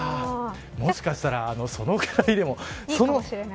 もしかしたらそのぐらいでも。